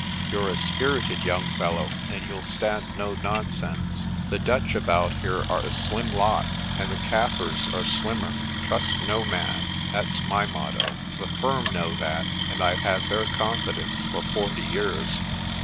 You're a spirited young fellow, and you'll stand no nonsense. The Dutch about here are a slim lot, and the Kaffirs are slimmer. Trust no man, that's my motto. The firm know that, and I've had their confidence for forty years."